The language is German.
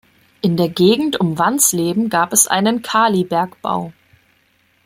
In der Gegend um Wansleben gab es einen Kalibergbau.